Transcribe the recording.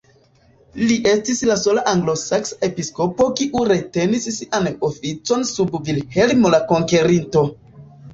Li estis la sola anglosaksa episkopo kiu retenis sian oficon sub Vilhelmo la Konkerinto.